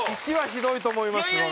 石はひどいと思います。